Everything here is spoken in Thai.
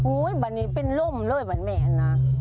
อุ้ยบันนี้เป็นร่วงมันเลิกแบบแม่อันนั้นนะ